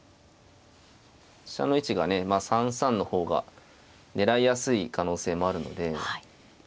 飛車の位置がね３三の方が狙いやすい可能性もあるので。